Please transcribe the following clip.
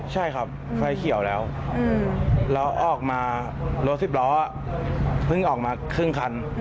ใช่ครับไฟเขียวแล้วแล้วออกมารถสิบล้อเพิ่งออกมาครึ่งคัน